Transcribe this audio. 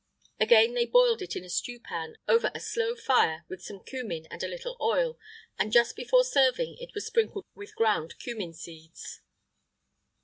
[IX 78] Again, they boiled it in a stewpan, over a slow fire, with some cummin and a little oil, and just before serving it was sprinkled with ground cummin seeds.